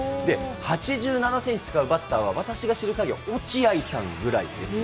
８７センチ使うバッターは、私が知るかぎりは落合さんぐらいですね。